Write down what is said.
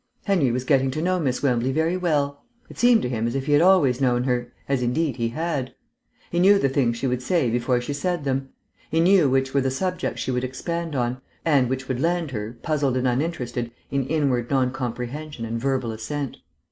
Henry was getting to know Miss Wembley very well. It seemed to him as if he had always known her, as, indeed, he had. He knew the things she would say before she said them. He knew which were the subjects she would expand on, and which would land her, puzzled and uninterested, in inward non comprehension and verbal assent.